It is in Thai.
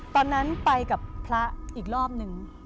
ตอนนั้นไปกับพระอีกรอบนึง